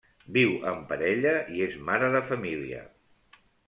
Viu en parella i és mare de família.